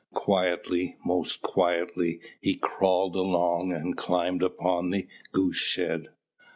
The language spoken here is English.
Quietly, most quietly, he crawled along and climbed upon the goose shed.